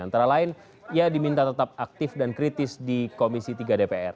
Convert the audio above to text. antara lain ia diminta tetap aktif dan kritis di komisi tiga dpr